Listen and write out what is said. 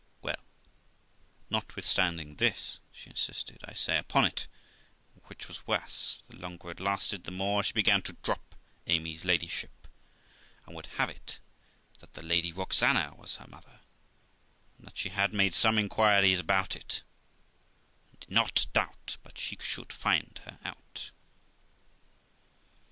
Well, notwithstanding this, she insisted, I say, upon it, and, which was worse, the longer it lasted the more she began to drop Amy's ladyship, and would have it that the Lady Roxana was her mother, and that she had made some inquiries about it, and did not doubt but she should find her out.